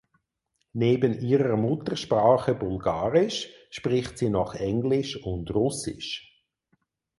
Neben ihrer Muttersprache Bulgarisch spricht sie noch Englisch und Russisch.